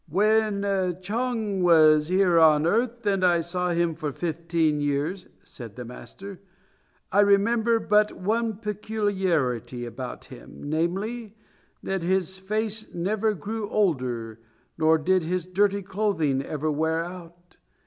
"When Chang was here on earth and I saw him for fifteen years," said the master, "I remember but one peculiarity about him, namely, that his face never grew older nor did his dirty clothing ever wear out.